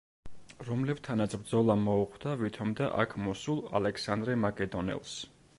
რომლებთანაც ბრძოლა მოუხდა ვითომდა აქ მოსულ ალექსანდრე მაკედონელს.